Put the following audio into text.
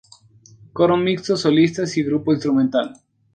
Coro mixto solistas y grupo instrumental.